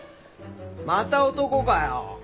また男かよ。